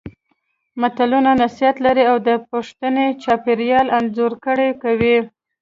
متلونه نصيحت لري او د پښتني چاپېریال انځورګري کوي